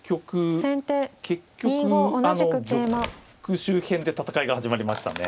結局あの玉周辺で戦いが始まりましたね。